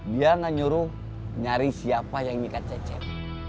biar gak nyuruh nyari siapa yang nikah cecep